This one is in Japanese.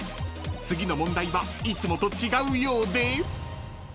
［次の問題はいつもと違うようで］